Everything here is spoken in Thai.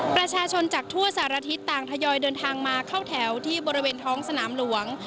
ประชาชนจากทั่วสารทิศต่างทยอยเดินทางมาเข้าแถวที่บริเวณท้องสนามหลวง